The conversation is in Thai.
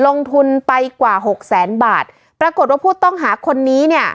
ลงทุนไปกว่าหกแสนบาทปรากฏว่าผู้ต้องหาคนนี้เนี่ย